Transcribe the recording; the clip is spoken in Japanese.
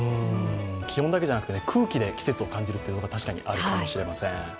気温だけじゃなく、空気で季節を感じることもあるかもしれません。